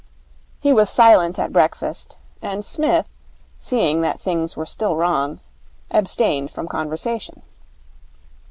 He was silent at breakfast, and Psmith, seeing that things were still wrong, abstained from conversation.